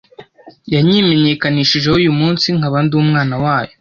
yanyimenyekanishijeho uyu munsi nkaba ndi umwana wayo